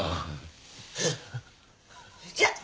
じゃあ！